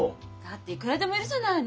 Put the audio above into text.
だっていくらでもいるじゃない。